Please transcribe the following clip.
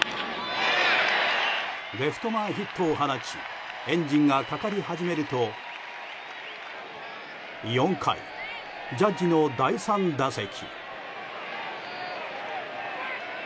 レフト前ヒットを放ちエンジンがかかり始めると４回、ジャッジの第３打席。